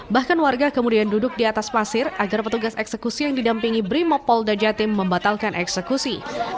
bahkan warga kemudian duduk di atas pasir agar petugas eksekusi yang didampingi brimopolda jatim membatalkan eksekusi